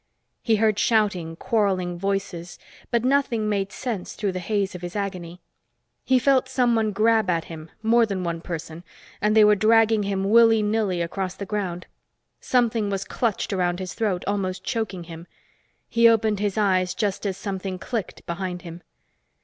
He heard shouting, quarreling voices, but nothing made sense through the haze of his agony. He felt someone grab at him more than one person and they were dragging him willy nilly across the ground. Something was clutched around his throat, almost choking him. He opened his eyes just as something clicked behind him.